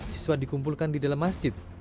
siswa dikumpulkan di dalam masjid